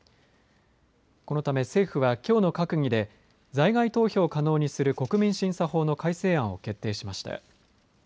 このため政府は、きょうの閣議で在外投票を可能にする国民審査法の改正案を決定しました。